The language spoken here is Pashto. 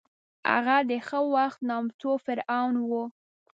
هغه د هغه وخت نامتو فرعون و.